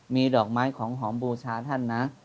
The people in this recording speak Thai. มีดอกไม้ของหอมบูชาท่านนะ